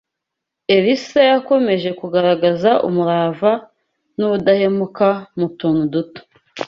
Elisa yakomeje kugaragaza umurava n’ubudahemuka mu tuntu duto